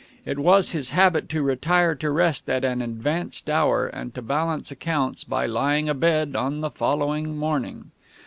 It was his habit to retire to rest at an advanced hour, and to balance accounts by lying abed on the following morning.